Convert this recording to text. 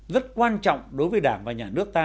rất quan trọng đối với đảng và nhà nước ta